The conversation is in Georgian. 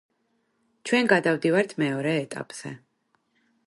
ჩვენ გადავდივართ მეორე ეტაპზე.